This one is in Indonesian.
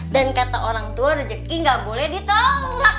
dan kata orang tua rejeki nggak boleh ditolak